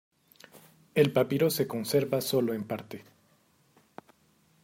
El papiro se conserva sólo en parte.